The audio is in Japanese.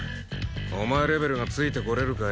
お前レベルがついてこれるかよ。